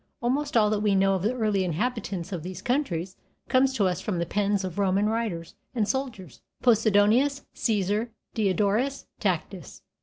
Almost all that we know of the early inhabitants of these countries comes to us from the pens of Roman writers and soldiers Poseidonius, Caesar, Diodorus, Tacitus.